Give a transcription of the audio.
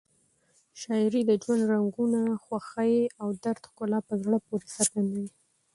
شاعري د ژوند رنګونه، خوښۍ او درد ښکلا په زړه پورې څرګندوي.